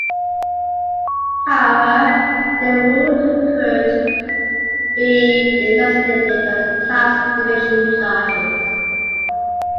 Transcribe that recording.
However, they ruled, he could be extradited on the tax evasion charges.